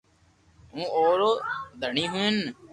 ھون اورو دھڻي ھين